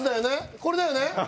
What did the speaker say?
これだよね。